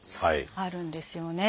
あるんですよね。